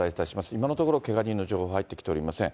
今のところ、けが人の情報は入ってきておりません。